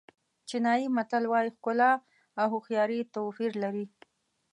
چینایي متل وایي ښکلا او هوښیاري توپیر لري.